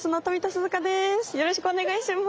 よろしくお願いします！